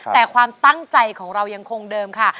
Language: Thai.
แต่ความตั้งใจของเรายังคงเดิมค่ะ